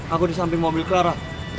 aku di samping mobil clera